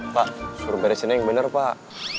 pak suruh beresin yang benar pak